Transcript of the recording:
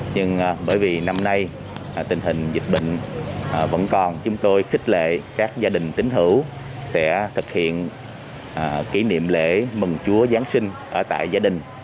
nhưng bởi vì năm nay tình hình dịch bệnh vẫn còn chúng tôi khích lệ các gia đình tính hữu sẽ thực hiện kỷ niệm lễ mừng chúa giáng sinh ở tại gia đình